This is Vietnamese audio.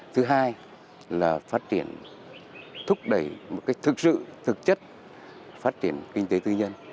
thứ hai là phát triển thúc đẩy một cách thực sự thực chất phát triển kinh tế tư nhân